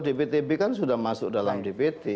dptb kan sudah masuk dalam dpt